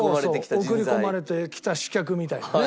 送り込まれてきた刺客みたいなね。